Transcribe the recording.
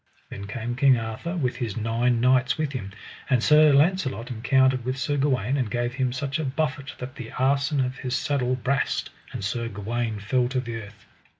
Then came King Arthur with his nine knights with him, and Sir Launcelot encountered with Sir Gawaine, and gave him such a buffet that the arson of his saddle brast, and Sir Gawaine fell to the earth.